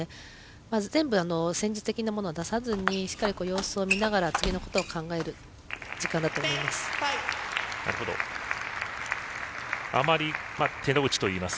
まず全部戦術的なものは出さずにしっかりと様子を見ながら次のことを考える時間だと思います。